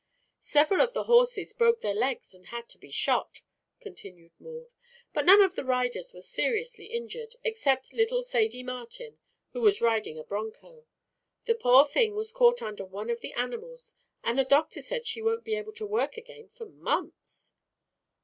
"Several of the horses broke their legs and had to be shot," continued Maud; "but none of the riders was seriously injured except little Sadie Martin, who was riding a bronco. The poor thing was caught under one of the animals and the doctor says she won't be able to work again for months."